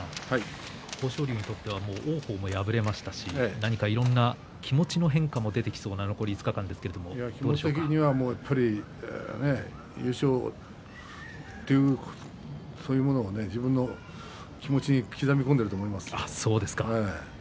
豊昇龍にとってはもう王鵬が敗れましたしいろいろな気持ちの変化も出てきそうな残り５日間ですけれども気持ち的には優勝というそういうものが、自分の気持ちに刻み込んでいると思います。